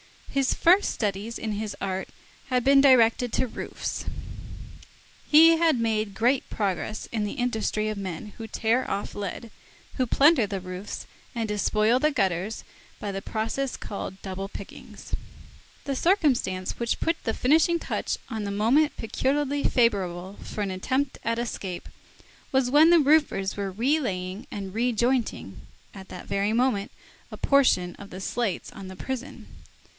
His first studies in his art had been directed to roofs. He had made great progress in the industry of the men who tear off lead, who plunder the roofs and despoil the gutters by the process called double pickings. The circumstance which put the finishing touch on the moment peculiarly favorable for an attempt at escape, was that the roofers were re laying and re jointing, at that very moment, a portion of the slates on the prison.